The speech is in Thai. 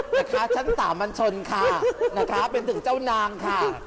นะคะชั้นสามัญชนค่ะนะคะเป็นถึงเจ้านางค่ะ